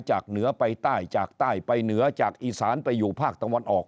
เหนือไปใต้จากใต้ไปเหนือจากอีสานไปอยู่ภาคตะวันออก